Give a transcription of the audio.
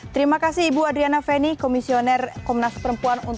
terima kasih ibu adriana feni komisioner komunas perempuan untuk kepala komunas perempuan